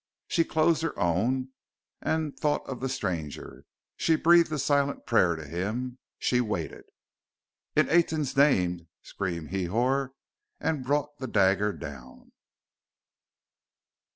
She closed her own, and thought of the stranger; she breathed a silent prayer to him. She waited. "In Aten's name!" screamed Hrihor, and brought the dagger down.